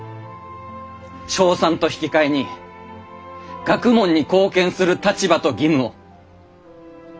称賛と引き換えに学問に貢献する立場と義務を！